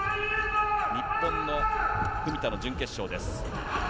日本の文田の準決勝です。